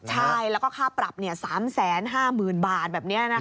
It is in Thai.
ใช่แล้วก็ค่าปรับ๓๕๐๐๐บาทแบบนี้